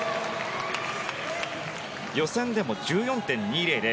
予選でも１４．２００